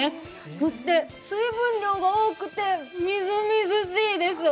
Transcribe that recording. そして水分量が多くてみずみずしいです。